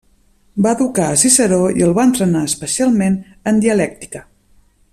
Va educar a Ciceró i el va entrenar especialment en dialèctica.